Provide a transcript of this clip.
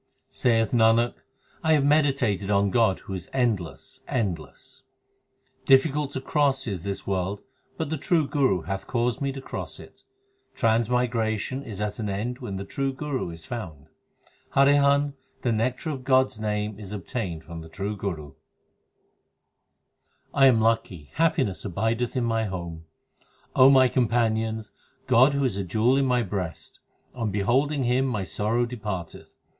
6 Saith Nanak, I have meditated on God who is endless, endless. Difficult to cross is this world, but the true Guru hath caused me to cross it. Transmigration is at an end when the true Guru is found. Harihan, the nectar of God s name is obtained from the true Guru. 7 I am lucky ; x happiness abideth in my home ; my companions, God who is a jewel is in my breast ; on beholding Him my sorrow depart eth.